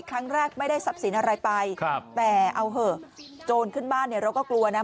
ครั้งแรกไม่ได้ทรัพย์สินอะไรไปครับแต่เอาเหอะโจรขึ้นบ้านเนี่ยเราก็กลัวนะ